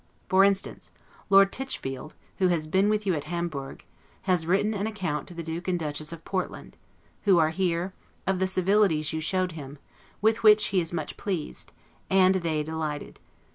For instance, Lord Titchfield, who has been with you at Hamburg, has written an account to the Duke and Duchess of Portland, who are here, of the civilities you showed him, with which he is much pleased, and they delighted.